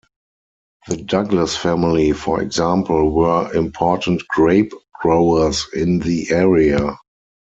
The Douglas family, for example, were important grape growers in the area.